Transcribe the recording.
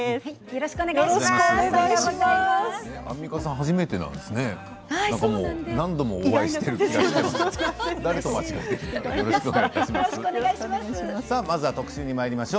よろしくお願いします。